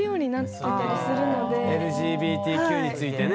ＬＧＢＴＱについてね。